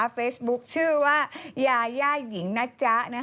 เฟซบุ๊คชื่อว่ายาย่าหญิงนะจ๊ะ